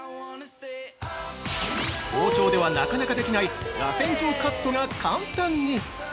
◆包丁ではなかなかできないらせん状カットが簡単に！